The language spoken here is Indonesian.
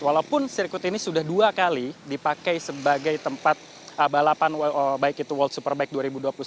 walaupun sirkuit ini sudah dua kali dipakai sebagai tempat balapan baik itu world superbike dua ribu dua puluh satu